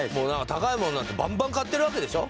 高いものなんてバンバン買ってるわけでしょ